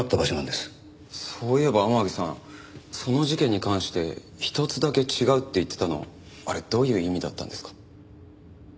そういえば天樹さんその事件に関して１つだけ違うって言ってたのあれどういう意味だったんですか？